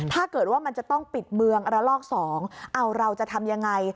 ถ้าเกิดว่ามันจะต้องปิดเมืองระลอก๒เอาเราจะทำยังไง